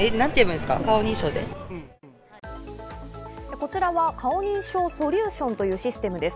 こちらは顔認証ソリューションというシステムです。